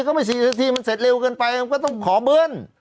ก็ไม่๔นาทีมันเสร็จเร็วเกินไปมันก็ต้องขอเบื้อน